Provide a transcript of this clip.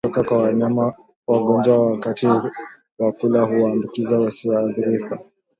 Vimelea kutoka kwa wanyama wagonjwa wakati wa kula huwaambukiza wasioathirika